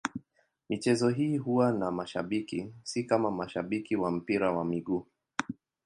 Michezo hii huwa na mashabiki, si kama mashabiki wa mpira wa miguu.